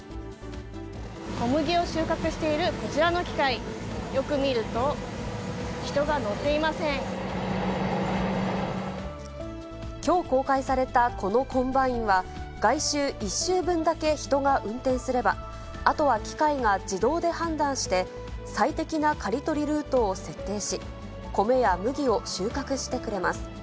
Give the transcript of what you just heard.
小麦を収穫しているこちらの機械、よく見ると、きょう公開されたこのコンバインは、外周１周分だけ人が運転すれば、あとは機械が自動で判断して、最適な刈り取りルートを設定し、米や麦を収穫してくれます。